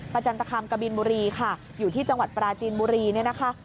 จันตคามกบินบุรีค่ะอยู่ที่จังหวัดปราจีนบุรีเนี่ยนะคะ